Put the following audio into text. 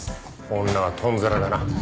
女はとんずらだな。